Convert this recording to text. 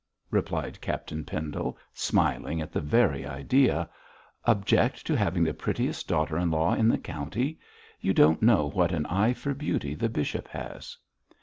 replied Captain Pendle, smiling at the very idea; 'object to have the prettiest daughter in law in the county. You don't know what an eye for beauty the bishop has.'